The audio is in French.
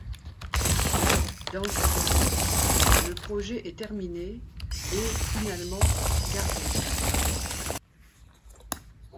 Dans cette optique, le projet est terminé et, finalement, gardé.